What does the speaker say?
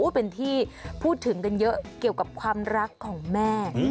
เป็นที่พูดถึงกันเยอะเกี่ยวกับความรักของแม่